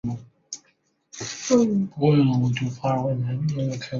建武是西晋皇帝晋惠帝司马衷的第八个年号。